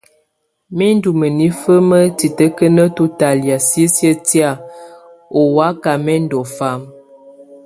Mɛ̀ ndù mǝnifǝ ma titǝkǝniǝtɔ talɛ̀á sisiǝ́ tɛ̀á ɔ waka mɛ ndù fama.